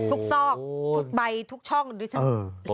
ทุกซอกทุกใบทุกช่องด้วยฉันเห็นตัว